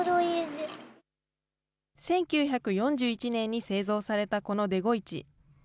１９４１年に製造されたこのデゴイチ。